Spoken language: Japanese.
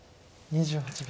２８秒。